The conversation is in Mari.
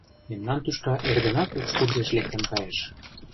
Мемнан тӱшка эрденак экскурсийыш лектын кайыш.